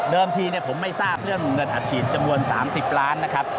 เดิมทีผมไม่ทราบเรื่องเงินอัดฉีดจำนวน๓๐ล้านบาท